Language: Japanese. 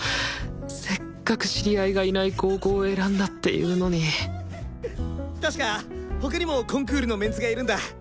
せっかく知り合いがいない高校を選んだっていうのにたしか他にもコンクールのメンツがいるんだ。